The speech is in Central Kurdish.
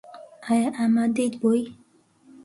ئایا ئامادەیت بۆی؟